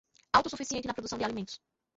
Autossuficiente na produção de alimentos